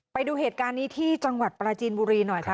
ไปดูเหตุการณ์นี้ที่จังหวัดปราจีนบุรีหน่อยค่ะ